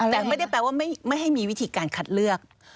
แต่ไม่ได้แปลว่าไม่ให้มีวิธีการคัดเลือก